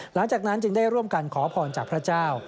หลังจากนั้นจึงได้ร่วมกันขอพรจากพระเจ้า